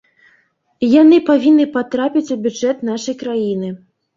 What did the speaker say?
І яны павінны патрапіць у бюджэт нашай краіны.